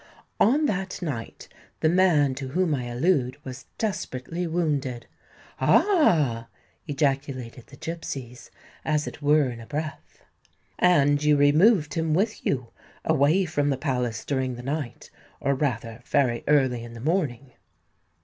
"On that night, the man to whom I allude was desperately wounded——" "Ah!" ejaculated the gipsies, as it were in a breath. "And you removed him with you, away from the Palace during the night—or rather very early in the morning."